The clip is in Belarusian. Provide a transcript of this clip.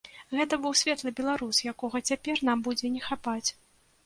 Гэта быў светлы беларус, якога цяпер нам будзе не хапаць.